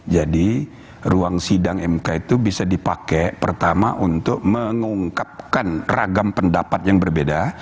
jadi ruang sidang mk itu bisa dipakai pertama untuk mengungkapkan ragam pendapat yang berbeda